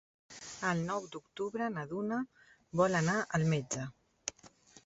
El nou d'octubre na Duna vol anar al metge.